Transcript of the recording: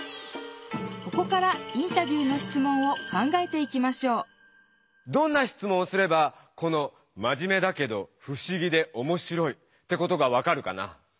ここからインタビューのしつもんを考えていきましょうどんなしつもんをすればこの「まじめだけどふしぎで面白い」ってことが分かるかな？